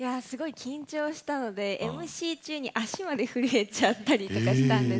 緊張したのでＭＣ中に足まで震えてしまったりしていました。